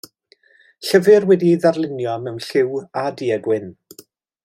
Llyfr wedi ei ddarlunio mewn lliw a du-a-gwyn.